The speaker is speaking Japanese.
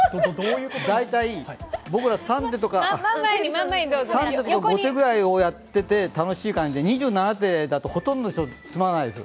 大体僕ら３手とか５手ぐらいをやってて楽しい感じ、２７手だとほとんどの人、つまらないです。